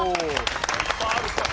いっぱいあるから。